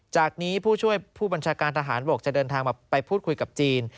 จากนี้ผู้ช่วยผู้บัญชาการทหารบกจะเดินทางมาไปพูดคุยกับจีน